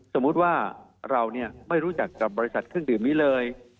สมมุติว่าเราไม่รู้จักกับบริษัทเครื่องดื่มนี้เลย